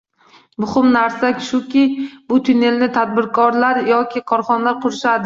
Muhim narsa shuki, bu tunnelni tadbirkorlar yoki korxonalar qurishadi.